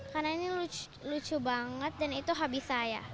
karena ini lucu banget dan itu hobi saya